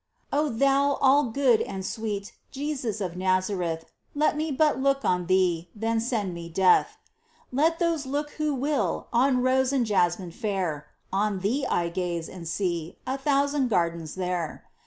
O Thou all good and sweet, Jesus of Nazareth, Let me but look on Thee, Then send me death ! Let those look who will On rose and jasmine fair ; On Thee I gaze and see A thousand gardens there.